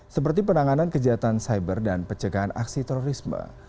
seperti penanganan kejahatan cyber dan pencegahan aksi terorisme